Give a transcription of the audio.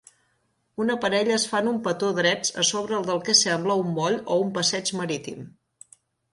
Una parella es fan un petó drets a sobre del que sembla un moll o un passeig marítim.